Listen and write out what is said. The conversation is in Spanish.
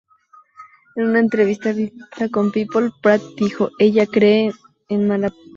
En una entrevista con "People", Pratt dijo, "Ella cree en mala prensa.